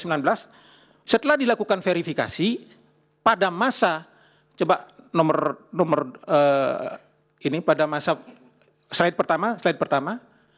ini sudah dilakukan verifikasi pada masa coba nomor ini pada masa slide pertama